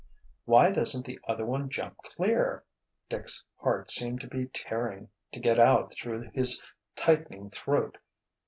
"Why doesn't the other one jump clear!" Dick's heart seemed to be tearing to get out through his tightening throat.